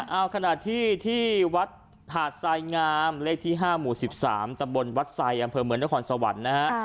เอ้าขนาดที่ที่วัดหาดไซน์งามเลขที่๕หมู่๑๓ตะบนวัดไซน์อำเภอเหมือนละครสวรรค์นะฮะ